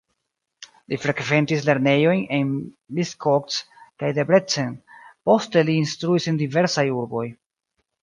Li frekventis lernejojn en Miskolc kaj Debrecen, poste li instruis en diversaj urboj.